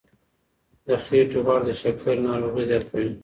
د خېټې غوړ د شکرې ناروغي زیاتوي.